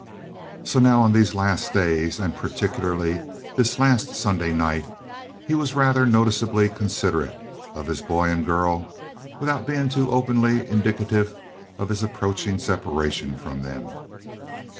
So now on these last days, and particularly this last Sunday night, he was rather noticeably considerate of his boy and girl, without being too openly indicative of his approaching separation from them.